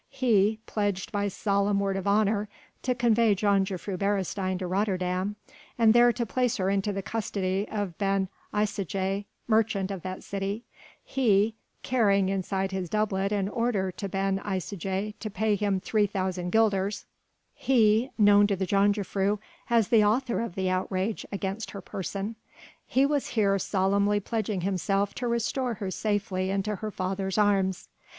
He pledged by solemn word of honour to convey Jongejuffrouw Beresteyn to Rotterdam and there to place her into the custody of Ben Isaje, merchant of that city, he carrying inside his doublet an order to Ben Isaje to pay him 3,000 guilders, he known to the jongejuffrouw as the author of the outrage against her person, he was here solemnly pledging himself to restore her safely into her father's arms.